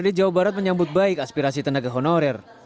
dprd jawa barat menyambut baik aspirasi tenaga honorer